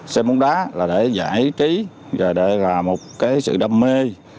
xem bóng đá là để giải trí là để là một sự đâm mê